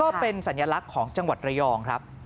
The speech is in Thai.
ก็เป็นสัญลักษณ์ของจังหวัดระยองครับ